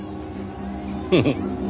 フフッ。